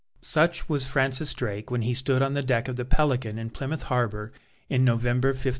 Such was Francis Drake when he stood on the deck of the Pelican in Plymouth harbour, in November, 1577.